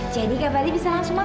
jadi kak fadil bisa langsung makan